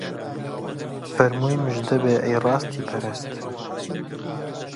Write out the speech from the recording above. فەرمووی موژدەبێ ئەی ڕاستی پەرست